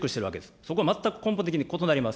そこは全く根本的に異なります。